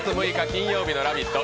金曜日の「ラヴィット！」